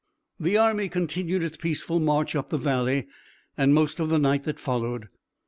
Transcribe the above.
The army continued its peaceful march up the valley and most of the night that followed.